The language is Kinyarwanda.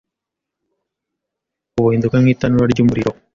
o buhinduka nk’itanura ry’umuriro.